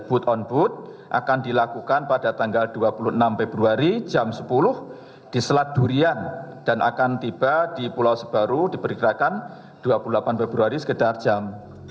delapan februari sekedar jam sembilan